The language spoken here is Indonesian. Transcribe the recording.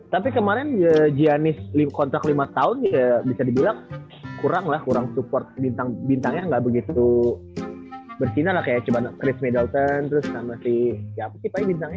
tapi kemarin giannis kontrak lima tahun ya bisa dibilang kurang lah kurang support bintang bintang nya ga begitu bersinar lah kaya coba chris meddleton terus sama si ya apa sih pak ya bintang nya